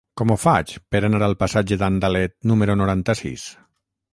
Com ho faig per anar al passatge d'Andalet número noranta-sis?